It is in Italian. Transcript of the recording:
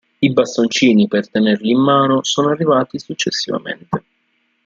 I bastoncini per tenerli in mano sono arrivati successivamente.